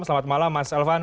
selamat malam mas elvan